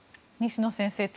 西野先生